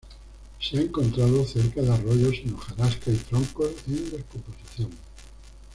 Se ha encontrado cerca de arroyos en hojarasca y troncos en descomposición.